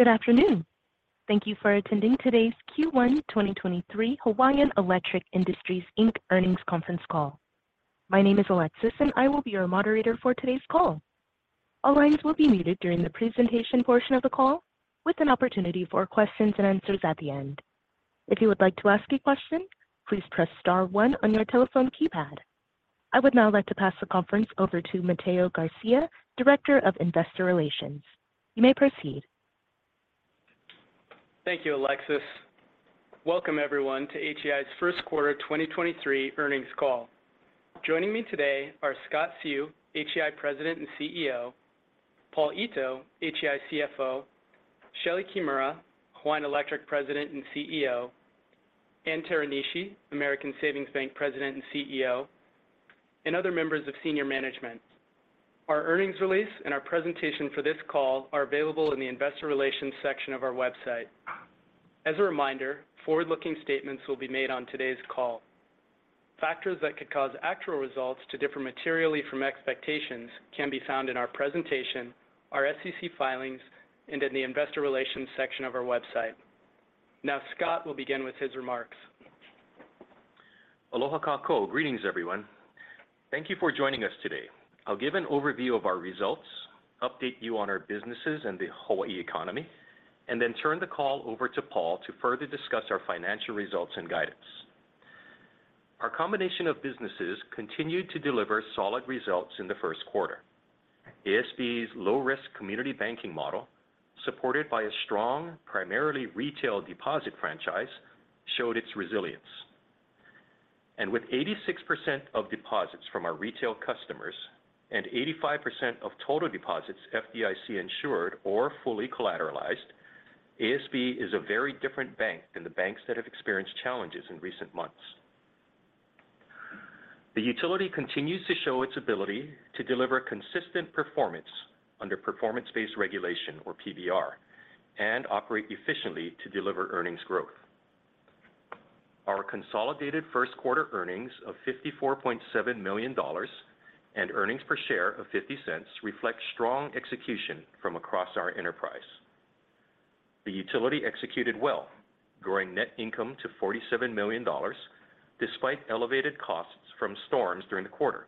Good afternoon. Thank you for attending today's Q1 2023 Hawaiian Electric Industries Inc. earnings conference call. My name is Alexis, and I will be your moderator for today's call. All lines will be muted during the presentation portion of the call, with an opportunity for questions and answers at the end. If you would like to ask a question, please press star one on your telephone keypad. I would now like to pass the conference over to Mateo Garcia, Director of Investor Relations. You may proceed. Thank you, Alexis. Welcome, everyone, to HEI's first quarter 2023 earnings call. Joining me today are Scott Seu, HEI President and CEO, Paul Ito, HEI CFO, Shelee Kimura, Hawaiian Electric President and CEO, Ann Teranishi, American Savings Bank President and CEO, and other members of senior management. Our earnings release and our presentation for this call are available in the investor relations section of our website. As a reminder, forward-looking statements will be made on today's call. Factors that could cause actual results to differ materially from expectations can be found in our presentation, our SEC filings, and in the investor relations section of our website. Now, Scott will begin with his remarks. Aloha kākou. Greetings, everyone. Thank you for joining us today. I'll give an overview of our results, update you on our businesses and the Hawaii economy, and then turn the call over to Paul to further discuss our financial results and guidance. Our combination of businesses continued to deliver solid results in the first quarter. ASB's low-risk community banking model, supported by a strong, primarily retail deposit franchise, showed its resilience. With 86% of deposits from our retail customers and 85% of total deposits FDIC-insured or fully collateralized, ASB is a very different bank than the banks that have experienced challenges in recent months. The utility continues to show its ability to deliver consistent performance under performance-based regulation or PBR, and operate efficiently to deliver earnings growth. Our consolidated first quarter earnings of $54.7 million and earnings per share of $0.50 reflect strong execution from across our enterprise. The utility executed well, growing net income to $47 million despite elevated costs from storms during the quarter.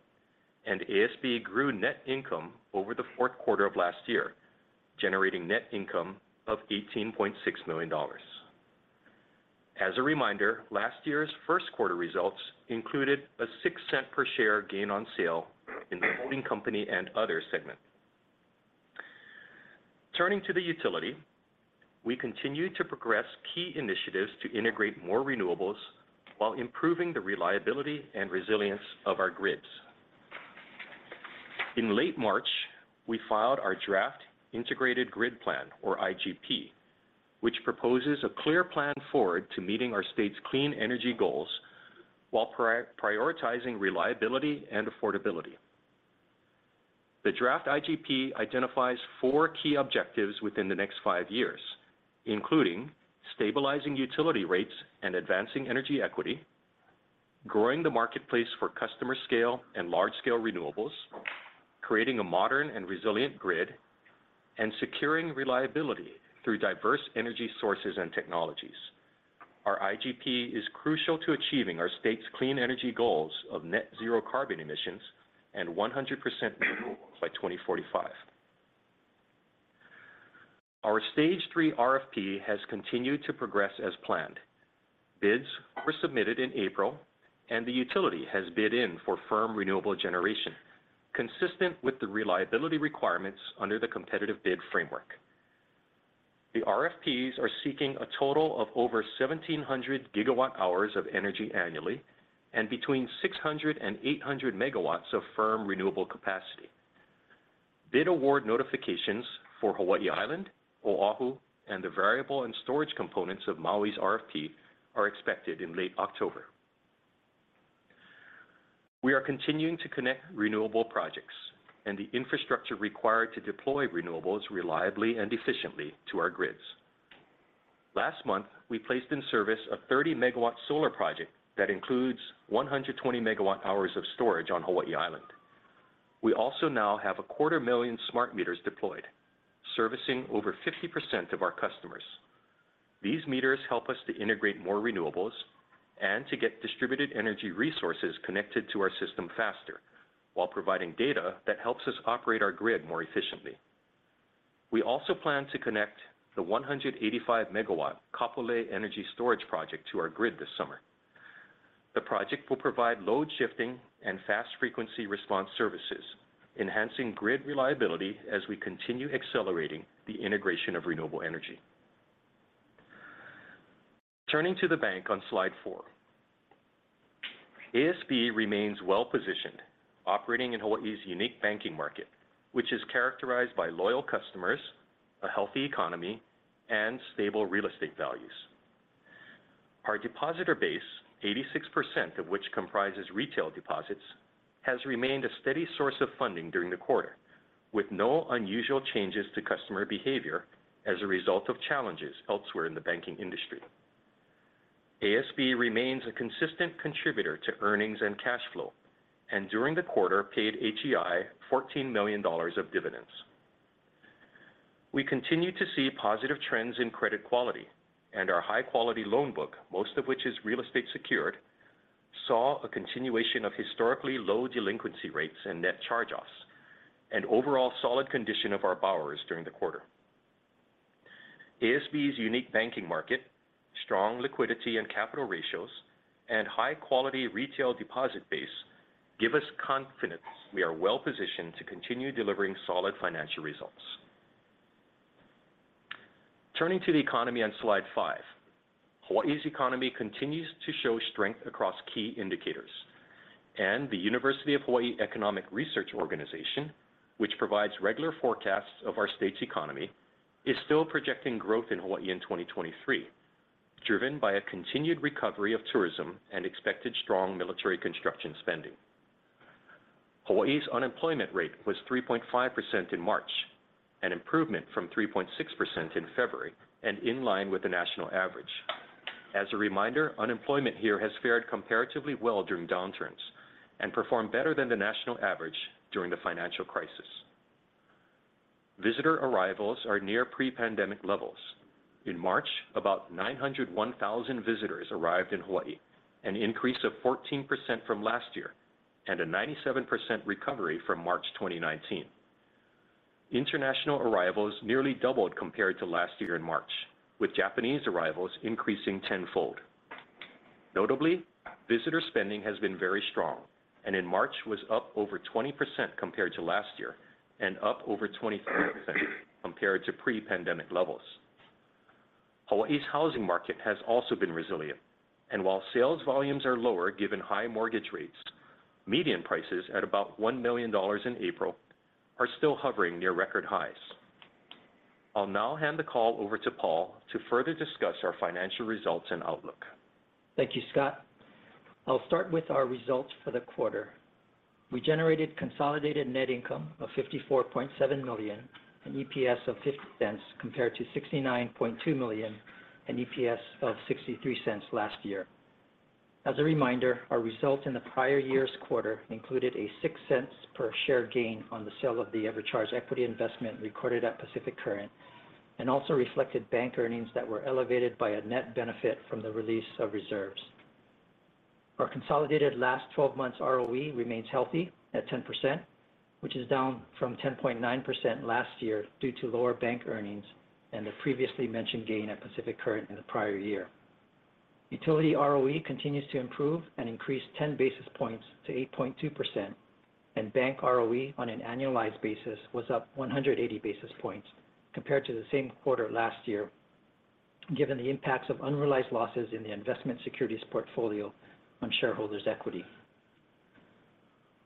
ASB grew net income over the fourth quarter of last year, generating net income of $18.6 million. As a reminder, last year's first quarter results included a $0.06 per share gain on sale in the holding company and other segment. Turning to the utility, we continued to progress key initiatives to integrate more renewables while improving the reliability and resilience of our grids. In late March, we filed our draft Integrated Grid Plan or IGP, which proposes a clear plan forward to meeting our state's clean energy goals while prioritizing reliability and affordability. The draft IGP identifies four key objectives within the next five years, including stabilizing utility rates and advancing energy equity, growing the marketplace for customer scale and large-scale renewables, creating a modern and resilient grid, and securing reliability through diverse energy sources and technologies. Our IGP is crucial to achieving our state's clean energy goals of net zero carbon emissions and 100% renewables by 2045. Our stage 3 RFP has continued to progress as planned. Bids were submitted in April, the utility has bid in for firm renewable generation, consistent with the reliability requirements under the competitive bid framework. The RFPs are seeking a total of over 1,700 gigawatt hours of energy annually and between 600-800 megawatts of firm renewable capacity. Bid award notifications for Hawaii Island, Oahu, and the variable and storage components of Maui's RFP are expected in late October. We are continuing to connect renewable projects and the infrastructure required to deploy renewables reliably and efficiently to our grids. Last month, we placed in service a 30 MW solar project that includes 120 MWh of storage on Hawaii Island. We also now have a 250 000 million smart meters deployed, servicing over 50% of our customers. These meters help us to integrate more renewables and to get distributed energy resources connected to our system faster while providing data that helps us operate our grid more efficiently. We also plan to connect the 185 MW Kapolei Energy Storage project to our grid this summer. The project will provide load shifting and fast frequency response services, enhancing grid reliability as we continue accelerating the integration of renewable energy. Turning to the bank on slide 4. ASB remains well-positioned, operating in Hawaii's unique banking market, which is characterized by loyal customers, a healthy economy, and stable real estate values. Our depositor base, 86% of which comprises retail deposits, has remained a steady source of funding during the quarter, with no unusual changes to customer behavior as a result of challenges elsewhere in the banking industry. ASB remains a consistent contributor to earnings and cash flow. During the quarter, paid HEI $14 million of dividends. We continue to see positive trends in credit quality and our high quality loan book, most of which is real estate secured, saw a continuation of historically low delinquency rates and net charge-offs, and overall solid condition of our borrowers during the quarter. ASB's unique banking market, strong liquidity and capital ratios, and high quality retail deposit base give us confidence we are well positioned to continue delivering solid financial results. Turning to the economy on slide 5. Hawaii's economy continues to show strength across key indicators. The University of Hawaii Economic Research Organization, which provides regular forecasts of our state's economy, is still projecting growth in Hawaii in 2023, driven by a continued recovery of tourism and expected strong military construction spending. Hawaii's unemployment rate was 3.5% in March, an improvement from 3.6% in February, and in line with the national average. As a reminder, unemployment here has fared comparatively well during downturns and performed better than the national average during the financial crisis. Visitor arrivals are near pre-pandemic levels. In March, about 901,000 visitors arrived in Hawaii, an increase of 14% from last year and a 97% recovery from March 2019. International arrivals nearly doubled compared to last year in March, with Japanese arrivals increasing tenfold. Notably, visitor spending has been very strong, and in March was up over 20% compared to last year and up over 23% compared to pre-pandemic levels. Hawaii's housing market has also been resilient. While sales volumes are lower given high mortgage rates, median prices at about $1 million in April are still hovering near record highs. I'll now hand the call over to Paul to further discuss our financial results and outlook. Thank you, Scott. I'll start with our results for the quarter. We generated consolidated net income of $54.7 million and EPS of $0.50 compared to $69.2 million and EPS of $0.63 last year. As a reminder, our results in the prior year's quarter included a $0.06 per share gain on the sale of the EverCharge equity investment recorded at Pacific Current, and also reflected bank earnings that were elevated by a net benefit from the release of reserves. Our consolidated last twelve months ROE remains healthy at 10%, which is down from 10.9% last year due to lower bank earnings and the previously mentioned gain at Pacific Current in the prior year. Utility ROE continues to improve and increased 10 basis points to 8.2%, and bank ROE on an annualized basis was up 180 basis points compared to the same quarter last year, given the impacts of unrealized losses in the investment securities portfolio on shareholders' equity.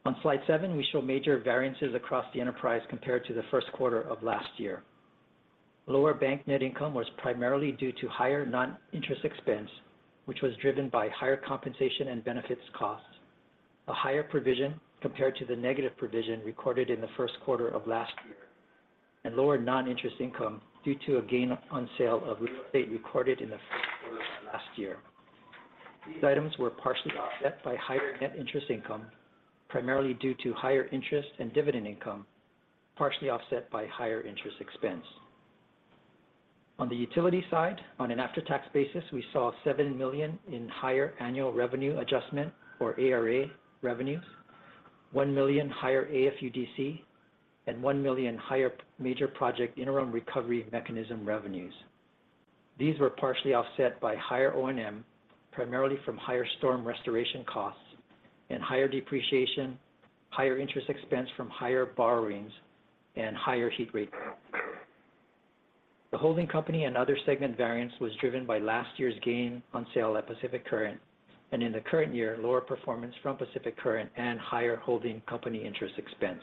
On slide 7, we show major variances across the enterprise compared to the first quarter of last year. Lower bank net income was primarily due to higher non-interest expense, which was driven by higher compensation and benefits costs. A higher provision compared to the negative provision recorded in the first quarter of last year, and lower non-interest income due to a gain on sale of real estate recorded in the first quarter of last year. These items were partially offset by higher net interest income, primarily due to higher interest and dividend income, partially offset by higher interest expense. On the utility side, on an after-tax basis, we saw $7 million in higher Annual Revenue Adjustment or ARA revenues, $1 million higher AFUDC, and $1 million higher major project interim recovery mechanism revenues. These were partially offset by higher O&M, primarily from higher storm restoration costs and higher depreciation, higher interest expense from higher borrowings, and higher heat rate. The holding company and other segment variance was driven by last year's gain on sale at Pacific Current. In the current year, lower performance from Pacific Current and higher holding company interest expense.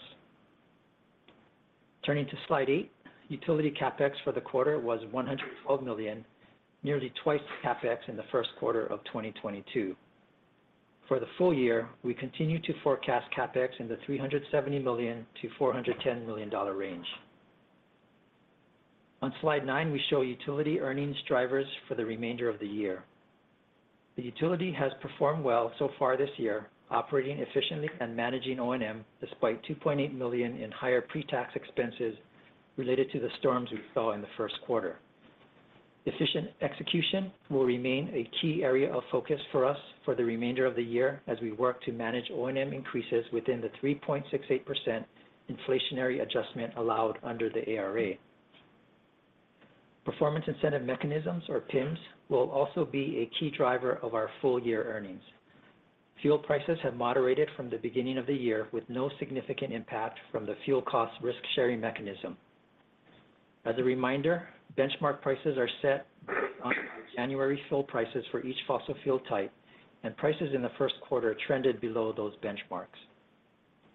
Turning to slide 8, utility CapEx for the quarter was $112 million, nearly twice the CapEx in the first quarter of 2022. For the full year, we continue to forecast CapEx in the $370 million-$410 million range. On slide 9, we show utility earnings drivers for the remainder of the year. The utility has performed well so far this year, operating efficiently and managing O&M despite $2.8 million in higher pre-tax expenses related to the storms we saw in the first quarter. Efficient execution will remain a key area of focus for us for the remainder of the year as we work to manage O&M increases within the 3.68% inflationary adjustment allowed under the ARA. Performance Incentive Mechanisms or PIMs will also be a key driver of our full year earnings. Fuel prices have moderated from the beginning of the year with no significant impact from the fuel cost risk-sharing mechanism. As a reminder, benchmark prices are set based on our January fuel prices for each fossil fuel type, and prices in the first quarter trended below those benchmarks.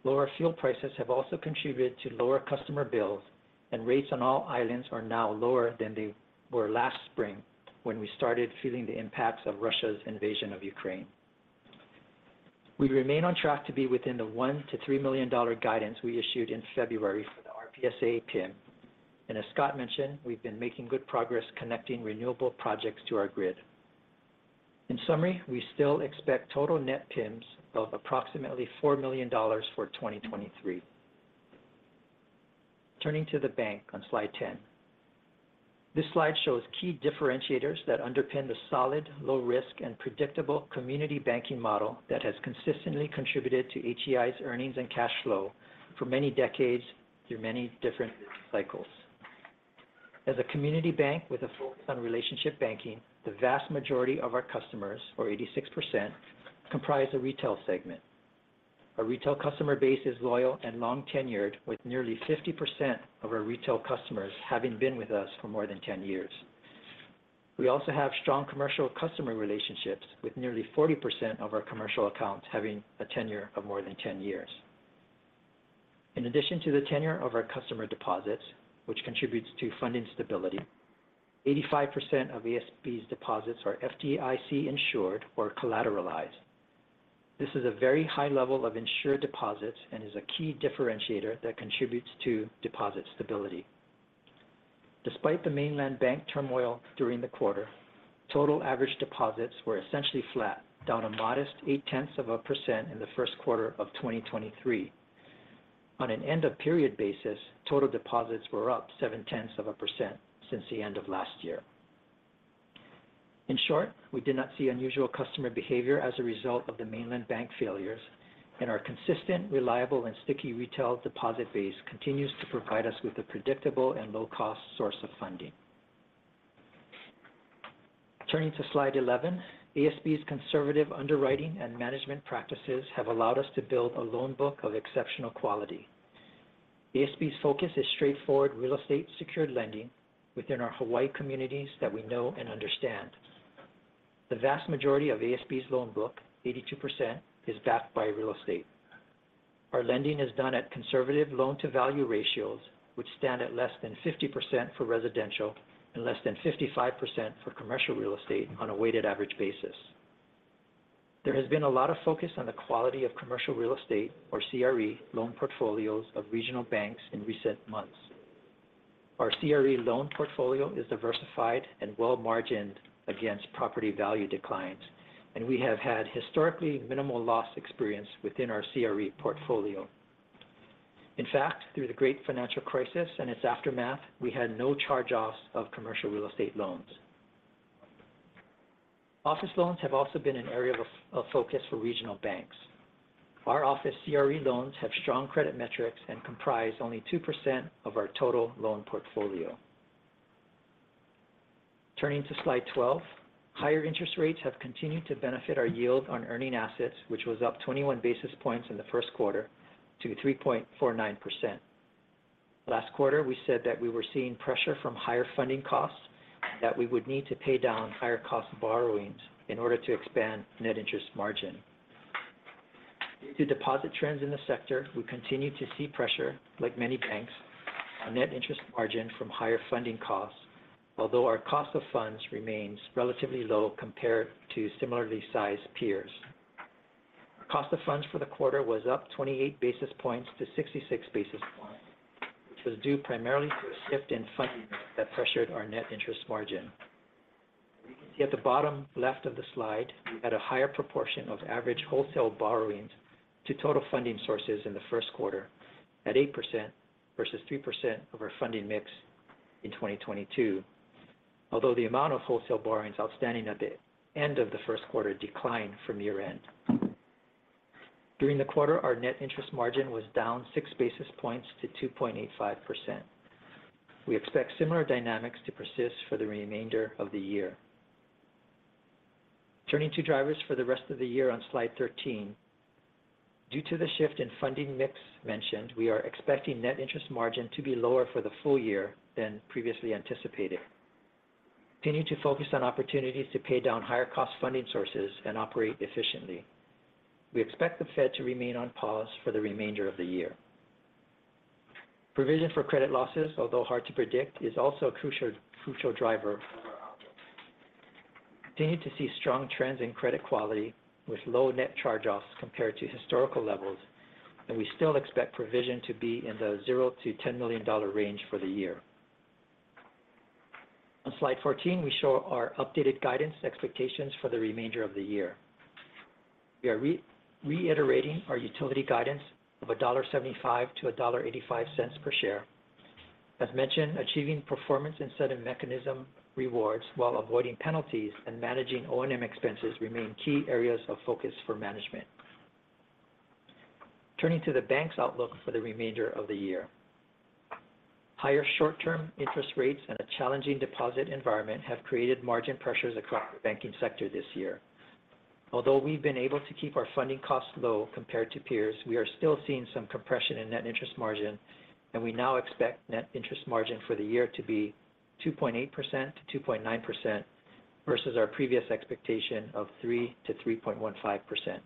Lower fuel prices have also contributed to lower customer bills. Rates on all islands are now lower than they were last spring when we started feeling the impacts of Russia's invasion of Ukraine. We remain on track to be within the $1 million-$3 million guidance we issued in February for the RPS-A PIM. As Scott mentioned, we've been making good progress connecting renewable projects to our grid. In summary, we still expect total net PIMs of approximately $4 million for 2023. Turning to the bank on slide 10. This slide shows key differentiators that underpin the solid, low risk and predictable community banking model that has consistently contributed to HEI's earnings and cash flow for many decades through many different cycles. As a community bank with a focus on relationship banking, the vast majority of our customers or 86% comprise a retail segment. Our retail customer base is loyal and long tenured, with nearly 50% of our retail customers having been with us for more than 10 years. We also have strong commercial customer relationships with nearly 40% of our commercial accounts having a tenure of more than 10 years. In addition to the tenure of our customer deposits, which contributes to funding stability, 85% of ASB's deposits are FDIC insured or collateralized. This is a very high level of insured deposits and is a key differentiator that contributes to deposit stability. Despite the mainland bank turmoil during the quarter, total average deposits were essentially flat, down a modest 0.8% in the first quarter of 2023. On an end of period basis, total deposits were up 0.7% since the end of last year. In short, we did not see unusual customer behavior as a result of the mainland bank failures, and our consistent, reliable and sticky retail deposit base continues to provide us with a predictable and low-cost source of funding. Turning to slide 11. ASB's conservative underwriting and management practices have allowed us to build a loan book of exceptional quality. ASB's focus is straightforward real estate secured lending within our Hawaii communities that we know and understand. The vast majority of ASB's loan book, 82%, is backed by real estate. Our lending is done at conservative loan to value ratios, which stand at less than 50% for residential and less than 55% for commercial real estate on a weighted average basis. There has been a lot of focus on the quality of commercial real estate or CRE loan portfolios of regional banks in recent months. Our CRE loan portfolio is diversified and well margined against property value declines, and we have had historically minimal loss experience within our CRE portfolio. In fact, through the great financial crisis and its aftermath, we had no charge-offs of commercial real estate loans. Office loans have also been an area of focus for regional banks. Our office CRE loans have strong credit metrics and comprise only 2% of our total loan portfolio. Turning to slide 12. Higher interest rates have continued to benefit our yield on earning assets, which was up 21 basis points in the first quarter to 3.49%. Last quarter, we said that we were seeing pressure from higher funding costs that we would need to pay down higher cost borrowings in order to expand net interest margin. Due to deposit trends in the sector, we continue to see pressure like many banks on net interest margin from higher funding costs, although our cost of funds remains relatively low compared to similarly sized peers. Our cost of funds for the quarter was up 28 basis points to 66 basis points, which was due primarily to a shift in funding that pressured our net interest margin. You can see at the bottom left of the slide, we had a higher proportion of average wholesale borrowings to total funding sources in the first quarter at 8% versus 3% of our funding mix in 2022. Although the amount of wholesale borrowings outstanding at the end of the first quarter declined from year-end. During the quarter, our net interest margin was down 6 basis points to 2.85%. We expect similar dynamics to persist for the remainder of the year. Turning to drivers for the rest of the year on slide 13. Due to the shift in funding mix mentioned, we are expecting net interest margin to be lower for the full year than previously anticipated. Continue to focus on opportunities to pay down higher cost funding sources and operate efficiently. We expect the Fed to remain on pause for the remainder of the year. Provision for credit losses, although hard to predict, is also a crucial driver for our outlook. Continue to see strong trends in credit quality with low net charge-offs compared to historical levels, and we still expect provision to be in the 0-$10 million range for the year. On slide 14, we show our updated guidance expectations for the remainder of the year. We are re-reiterating our utility guidance of $1.75-$1.85 per share. As mentioned, achieving Performance Incentive Mechanism rewards while avoiding penalties and managing O&M expenses remain key areas of focus for management. Turning to the bank's outlook for the remainder of the year. Higher short-term interest rates and a challenging deposit environment have created margin pressures across the banking sector this year. Although we've been able to keep our funding costs low compared to peers, we are still seeing some compression in net interest margin, and we now expect net interest margin for the year to be 2.8%-2.9% versus our previous expectation of 3%-3.15%.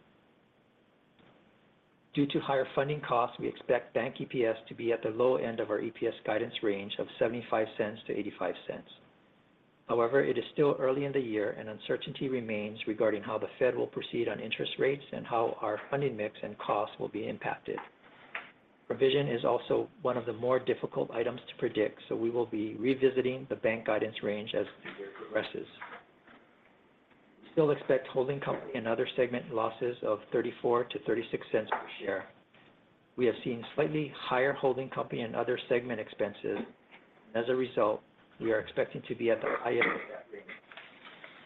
Due to higher funding costs, we expect bank EPS to be at the low end of our EPS guidance range of $0.75-$0.85. It is still early in the year and uncertainty remains regarding how the Fed will proceed on interest rates and how our funding mix and costs will be impacted. Provision is also one of the more difficult items to predict. We will be revisiting the bank guidance range as the year progresses. Still expect holding company and other segment losses of $0.34-$0.36 per share. We have seen slightly higher holding company and other segment expenses. As a result, we are expecting to be at the higher end of that range.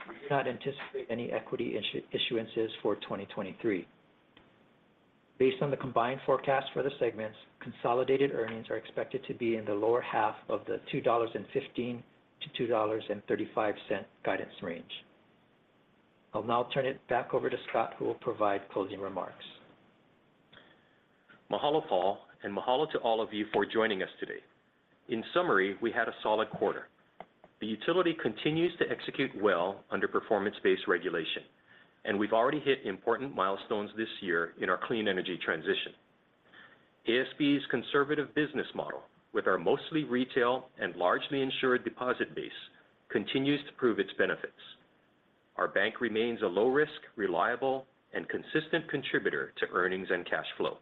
We do not anticipate any equity issuances for 2023. Based on the combined forecast for the segments, consolidated earnings are expected to be in the lower half of the $2.15-$2.35 guidance range. I'll now turn it back over to Scott, who will provide closing remarks. Mahalo, Paul, and mahalo to all of you for joining us today. In summary, we had a solid quarter. The utility continues to execute well under performance-based regulation, and we've already hit important milestones this year in our clean energy transition. ASB's conservative business model with our mostly retail and largely insured deposit base continues to prove its benefits. Our bank remains a low risk, reliable, and consistent contributor to earnings and cash flow.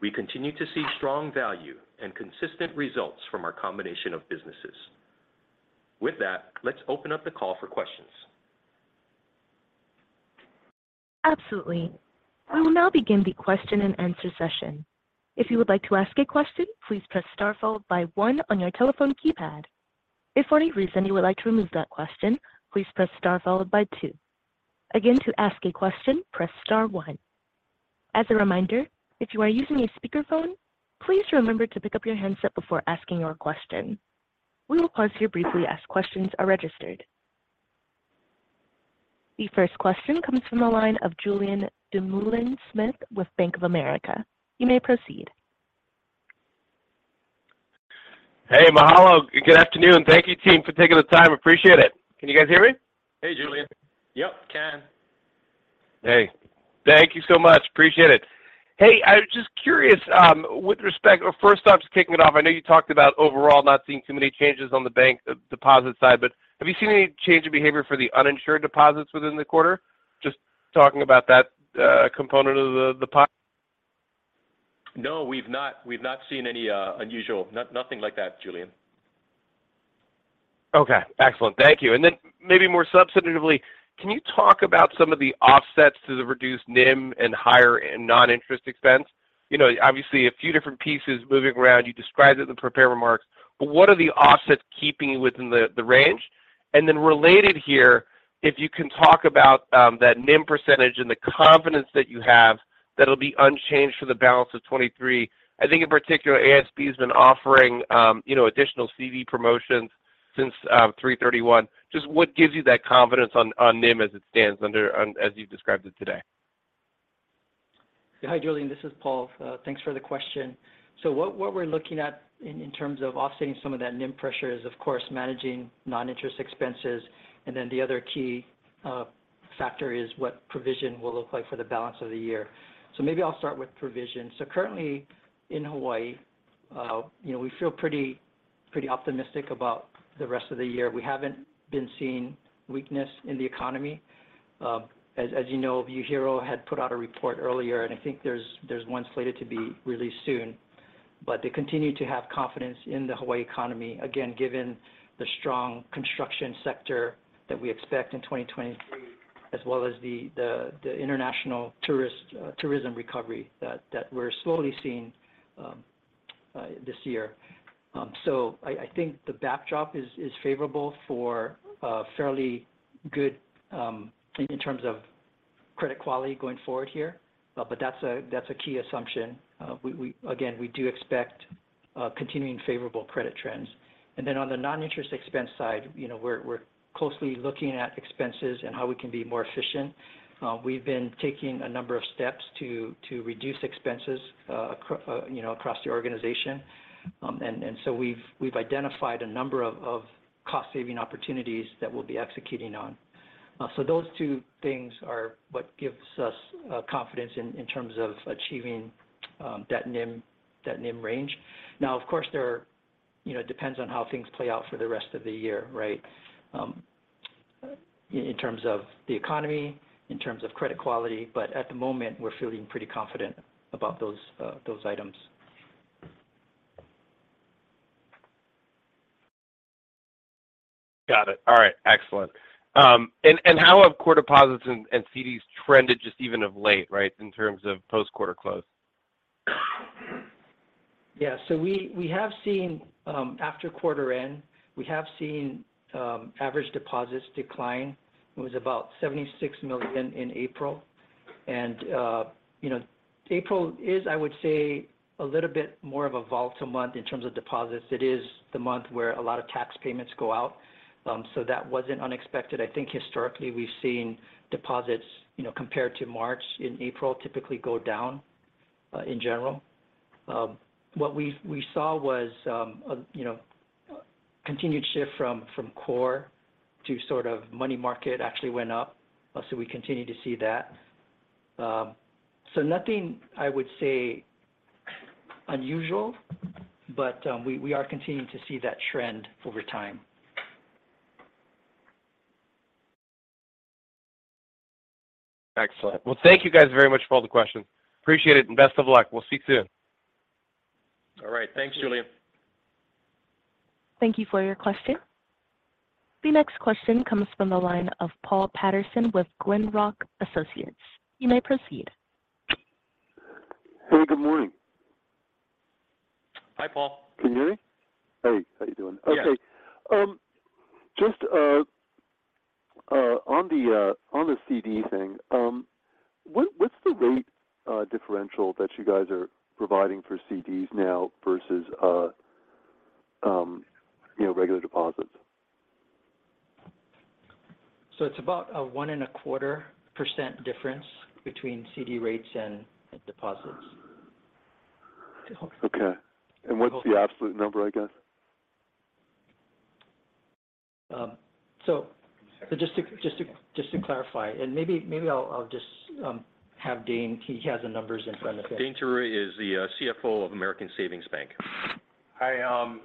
We continue to see strong value and consistent results from our combination of businesses. With that, let's open up the call for questions. Absolutely. We will now begin the question and answer session. If you would like to ask a question, please press star followed by one on your telephone keypad. If for any reason you would like to remove that question, please press star followed by two. Again, to ask a question, press star one. As a reminder, if you are using a speakerphone, please remember to pick up your handset before asking your question. We will pause here briefly as questions are registered. The first question comes from the line of Julien Dumoulin-Smith with Bank of America. You may proceed. Hey. Mahalo. Good afternoon. Thank you, team, for taking the time. Appreciate it. Can you guys hear me? Hey, Julien. Yep. Can. Hey. Thank you so much. Appreciate it. Hey, I was just curious, or first off, just kicking it off, I know you talked about overall not seeing too many changes on the bank deposit side, but have you seen any change in behavior for the uninsured deposits within the quarter? Just talking about that, component of the, No. We've not seen any nothing like that, Julien. Okay. Excellent. Thank you. Maybe more substantively, can you talk about some of the offsets to the reduced NIM and higher non-interest expense? You know, obviously a few different pieces moving around. You described it in the prepared remarks. What are the offsets keeping you within the range? Related here, if you can talk about that NIM percentage and the confidence that you have that'll be unchanged for the balance of 2023. I think in particular, ASB has been offering, you know, additional CD promotions since 3/31. Just what gives you that confidence on NIM as it stands under as you've described it today? Hi, Julien. This is Paul. Thanks for the question. What we're looking at in terms of offsetting some of that NIM pressure is, of course, managing non-interest expenses, and then the other key factor is what provision will look like for the balance of the year. Maybe I'll start with provision. Currently in Hawaii, you know, we feel pretty optimistic about the rest of the year. We haven't been seeing weakness in the economy. As you know, UHERO had put out a report earlier, and I think there's one slated to be released soon. They continue to have confidence in the Hawaii economy, again, given the strong construction sector that we expect in 2023, as well as the international tourist tourism recovery that we're slowly seeing this year. I think the backdrop is favorable for fairly good in terms of credit quality going forward here. That's a key assumption. Again, we do expect continuing favorable credit trends. On the non-interest expense side, you know, we're closely looking at expenses and how we can be more efficient. We've been taking a number of steps to reduce expenses, you know, across the organization. We've identified a number of cost saving opportunities that we'll be executing on. Those two things are what gives us confidence in terms of achieving that NIM range. Now, of course, there, you know, depends on how things play out for the rest of the year, right? In terms of the economy, in terms of credit quality, but at the moment, we're feeling pretty confident about those items. Got it. All right. Excellent. How have core deposits and CDs trended just even of late, right, in terms of post-quarter close? Yeah. So we have seen, after quarter end, we have seen average deposits decline. It was about $76 million in April. You know, April is, I would say, a little bit more of a volatile month in terms of deposits. It is the month where a lot of tax payments go out, so that wasn't unexpected. I think historically we've seen deposits, you know, compared to March and April, typically go down in general. What we saw was, continued shift from core to sort of money market actually went up. We continue to see that. Nothing I would say unusual, but we are continuing to see that trend over time. Excellent. Well, thank you guys very much for all the questions. Appreciate it, and best of luck. We'll speak soon. All right. Thanks, Julien. Thank you for your question. The next question comes from the line of Paul Patterson with Glenrock Associates. You may proceed. Hey, good morning. Hi, Paul. Can you hear me? Hey, how you doing? Yes. Okay. Just on the CD thing, what's the rate differential that you guys are providing for CDs now versus, you know, regular deposits? It's about a 1.25% difference between CD rates and deposits. Okay. What's the absolute number, I guess? Just to clarify, and maybe I'll just have Dane. He has the numbers in front of him. Dane Teruya is the CFO of American Savings Bank. I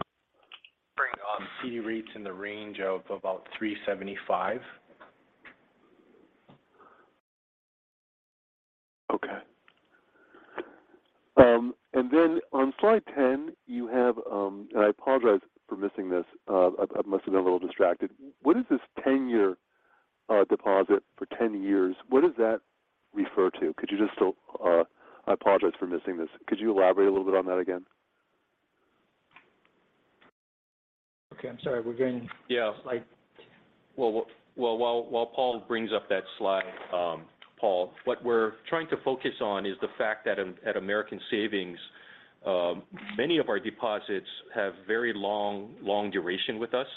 bring up CD rates in the range of about 3.75%. Okay. On slide 10, you have, I apologize for missing this. I must have been a little distracted. What is this 10-year deposit for 10 years? What does that refer to? Could you just I apologize for missing this. Could you elaborate a little bit on that again? Okay, I'm sorry. Yeah. to the next slide. Well, while Paul brings up that slide, Paul, what we're trying to focus on is the fact that at American Savings, many of our deposits have very long, long duration with us.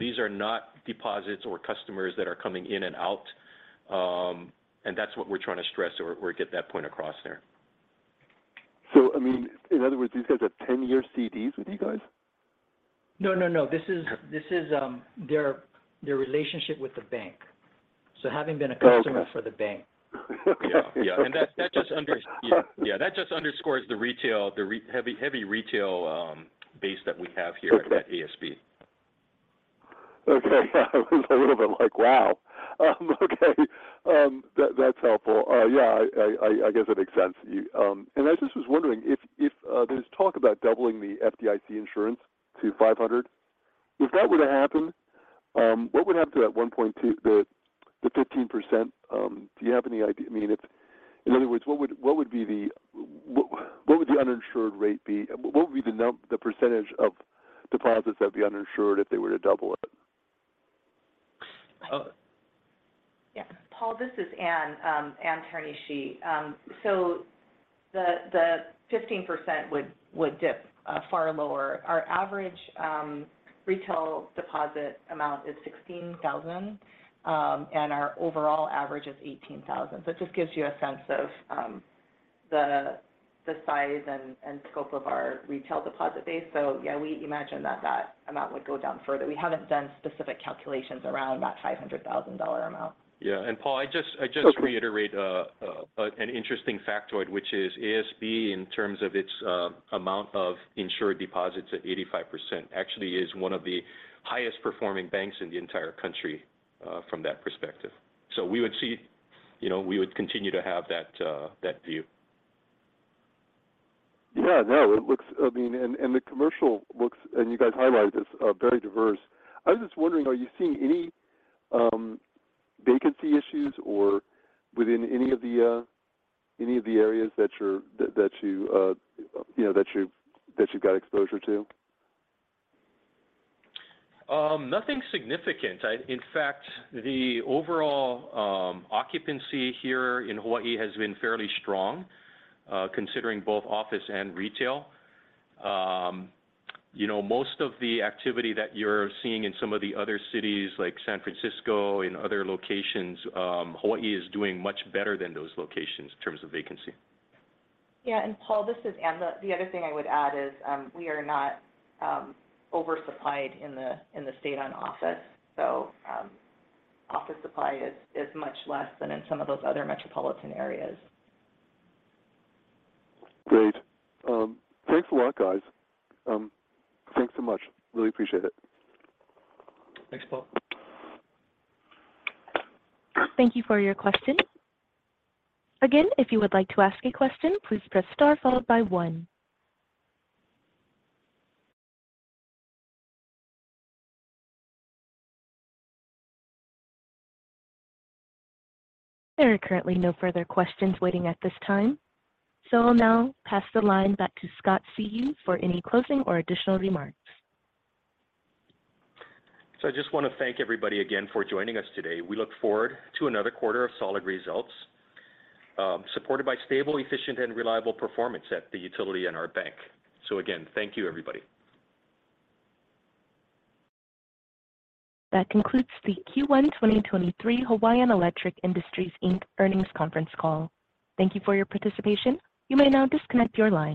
These are not deposits or customers that are coming in and out. That's what we're trying to stress or get that point across there. I mean, in other words, these guys have 10-year CDs with you guys? No, no. This is their relationship with the bank. Oh, okay. for the bank. Yeah, that just underscores the retail, heavy retail, base that we have here. Okay. at ASB. Okay. I was a little bit like, "Wow." Okay. That's helpful. Yeah, I guess that makes sense. You, and I just was wondering, if there's talk about doubling the FDIC insurance to $500,000, if that were to happen, what would happen to that 1.2-- the 15%? Do you have any idea? I mean, in other words, what would, what would be the, what would the uninsured rate be? What would be the percentage of deposits that would be uninsured if they were to double it? Uh- Yeah. Paul, this is Ann Teranishi. The 15% would dip far lower. Our average retail deposit amount is $16,000, and our overall average is $18,000. It just gives you a sense of the size and scope of our retail deposit base. Yeah, we imagine that that amount would go down further. We haven't done specific calculations around that $500,000 amount. Yeah. Paul, I just. Okay. reiterate an interesting factoid, which is ASB in terms of its amount of insured deposits at 85% actually is one of the highest performing banks in the entire country from that perspective. We would see, you know, we would continue to have that view. Yeah. No, it looks... I mean, and the commercial looks, and you guys highlighted this, very diverse. I was just wondering, are you seeing any vacancy issues or within any of the areas that you're that you know, that you've got exposure to? Nothing significant. In fact, the overall occupancy here in Hawaii has been fairly strong, considering both office and retail. You know, most of the activity that you're seeing in some of the other cities like San Francisco and other locations, Hawaii is doing much better than those locations in terms of vacancy. Yeah. Paul, this is Ann. The other thing I would add is, we are not oversupplied in the state on office. Office supply is much less than in some of those other metropolitan areas. Great. Thanks a lot, guys. Thanks so much. Really appreciate it. Thanks, Paul. Thank you for your question. Again, if you would like to ask a question, please press star followed by one. There are currently no further questions waiting at this time. I'll now pass the line back to Scott Seu for any closing or additional remarks. I just wanna thank everybody again for joining us today. We look forward to another quarter of solid results, supported by stable, efficient, and reliable performance at the utility and our bank. Again, thank you, everybody. That concludes the Q1 2023 Hawaiian Electric Industries Inc earnings conference call. Thank you for your participation. You may now disconnect your line.